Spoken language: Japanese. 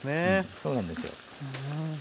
そうなんですよ。